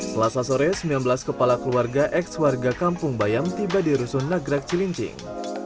selasa sore sembilan belas kepala keluarga ex warga kampung bayam tiba di rusun nagrak cilincing